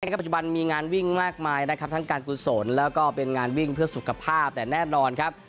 ปัจจุบันมีงานวิ่งมากมายนะครับทั้งการกุศลแล้วก็เป็นงานวิ่งเพื่อสุขภาพแต่แน่นอนครับ